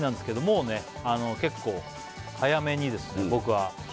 もうね結構早めにですね